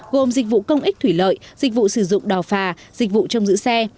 gồm dịch vụ công ích thủy lợi dịch vụ sử dụng đào phà dịch vụ trong giữ xe